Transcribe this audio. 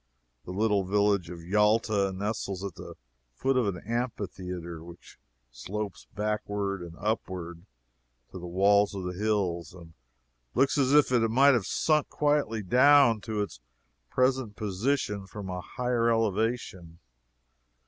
The little village of Yalta nestles at the foot of an amphitheatre which slopes backward and upward to the wall of hills, and looks as if it might have sunk quietly down to its present position from a higher elevation.